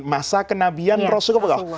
masa kenabian rasulullah